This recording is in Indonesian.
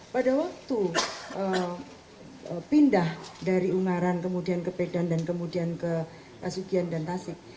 pada waktu pindah dari ungaran kemudian ke medan dan kemudian ke pasugian dan tasik